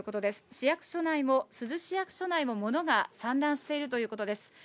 市役所内も、珠洲市役所内も物が散乱しているということです。